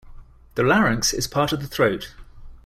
The larynx is part of the throat.